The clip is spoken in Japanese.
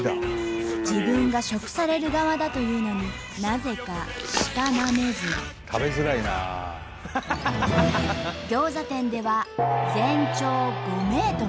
自分が食される側だというのになぜかギョーザ店では全長５ｍ。